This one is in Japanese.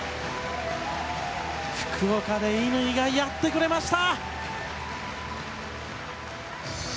福岡で乾がやってくれました。